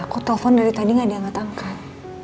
kok telfon dari tadi gak diangkat angkat